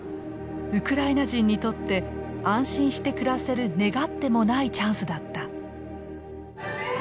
ウクライナ人にとって安心して暮らせる願ってもないチャンスだった。